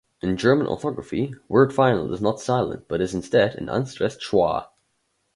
In German orthography, word-final is not silent but is instead an unstressed schwa.